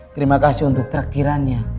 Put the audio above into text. terima kasih untuk terakhirannya